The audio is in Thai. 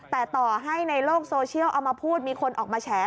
แต่ต่อให้ในโลกโซเชียลเอามาพูดมีคนออกมาแฉ